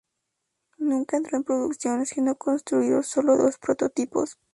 Nunca entró en producción, siendo construidos sólo dos prototipos.